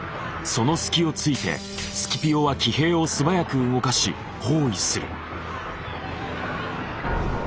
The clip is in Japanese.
その隙をついてスキピオは騎兵を素早く動かし包囲する！